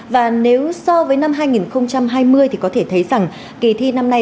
và nếu so với năm hai nghìn hai mươi có thể thấy kỳ thi năm nay